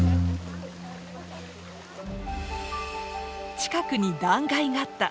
近くに断崖があった。